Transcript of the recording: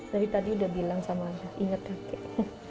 dari tadi udah bilang sama abah inget kakek